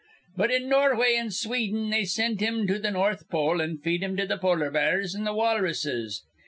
But in Norway an' Sweden they sind him to th' North Pole, an' feed him to th' polar bears an' th' walruses.